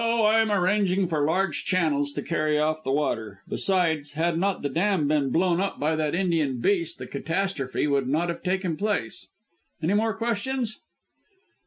I am arranging for large channels to carry off the water. Besides, had not the dam been blown up by that Indian beast the catastrophe would not have taken place. Any more questions?"